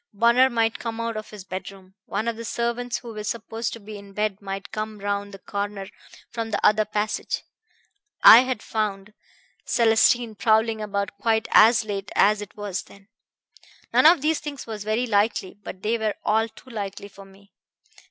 Bunner might come out of his bedroom. One of the servants who were supposed to be in bed might come round the corner from the other passage I had found Célestine prowling about quite as late as it was then. None of these things was very likely; but they were all too likely for me.